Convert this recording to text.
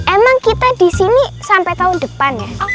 emang kita disini sampai tahun depan ya